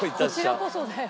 こちらこそだよ。